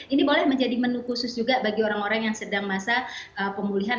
ini boleh menjadi menu khusus juga bagi orang orang yang sedang masa pemulihan